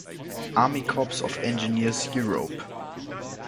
Army Corps Of Engineers Europe".